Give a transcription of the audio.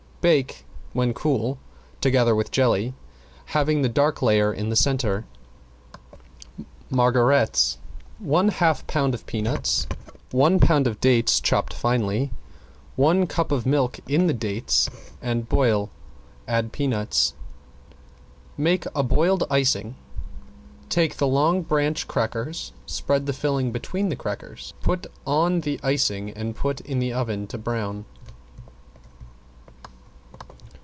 Bake, when cool, together with jelly, having the dark layer in the center. ~MARGARETTES~ One half pound of peanuts, one pound of dates chopped fine. One cup of milk in the dates, and boil, add peanuts. Make a boiled icing. Take the long branch crackers, spread the filling between the crackers, put on the icing, and put in the oven to brown.